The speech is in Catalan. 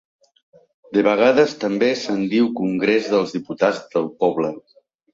De vegades també se'n diu Congrés dels Diputats del Poble.